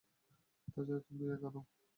তাছাড়া, তুমি একা নও।